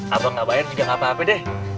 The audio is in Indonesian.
abang nggak bayar juga nggak apa apa deh